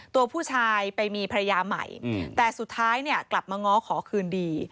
ตัวผู้ชายไปมีภรรยาใหม่แต่สุดท้ายเนี่ยกลับมาง้อขอคืนดี